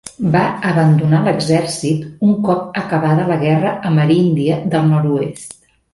Va abandonar l'exèrcit un cop acabada la Guerra Ameríndia del Nord-oest.